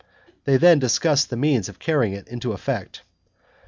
They then discussed the means of carrying it into effect.